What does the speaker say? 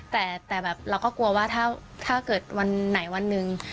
แต่แบบเราก็กลัวว่าถ้าเกิดวันไหนวันหนึ่ง